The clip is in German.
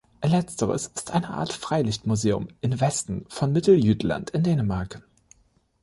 Letzteres ist eine Art Freilichtmuseum in Westen von Mittel-Jütland in Dänemark.